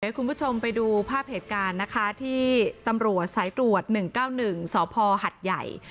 คุณผู้ชมไปดูภาพเหตุการณ์นะคะที่ตำรวจสายตรวจ๑๙๑สพหัดใหญ่